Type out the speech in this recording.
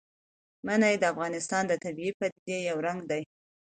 منی د افغانستان د طبیعي پدیدو یو رنګ دی.